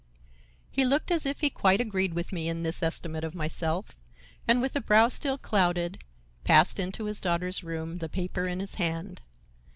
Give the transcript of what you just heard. He looked as if he quite agreed with me in this estimate of myself, and, with a brow still clouded, passed into his daughter's room, the paper in his hand.